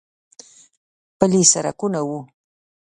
پلي سړکونه و.